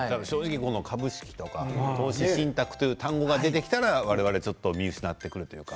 株式とか投資信託という単語が出てきたら我々、見失うというか。